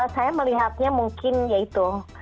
saya melihatnya mungkin ya itu